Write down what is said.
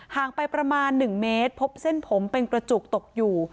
ห่างไปประมาณ๑เมตรพบเส้นผมเป็นกระจุกตกอยู่